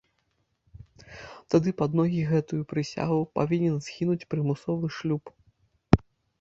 Тады пад ногі гэтую прысягу, павінен згінуць прымусовы шлюб.